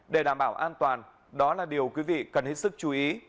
để đảm bảo an toàn đó là điều quý vị cần hết sức chú ý